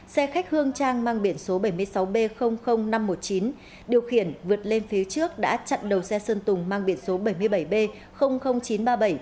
xe khách hương trang mang biển số bảy mươi sáu b năm trăm một mươi chín điều khiển vượt lên phía trước đã chặn đầu xe sơn tùng mang biển số bảy mươi bảy b chín trăm ba mươi bảy